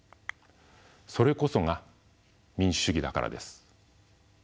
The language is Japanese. それこそが民主主義だからです。